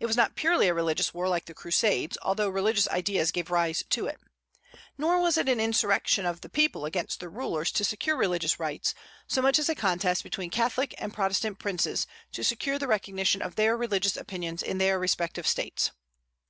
It was not purely a religious war like the crusades, although religious ideas gave rise to it. Nor was it an insurrection of the people against their rulers to secure religious rights, so much as a contest between Catholic and Protestant princes to secure the recognition of their religious opinions in their respective States.